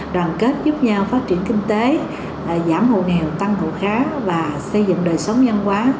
đoàn kết giúp nhau phát triển kinh tế giảm hồ nghèo tăng hộ khá và xây dựng đời sống văn hóa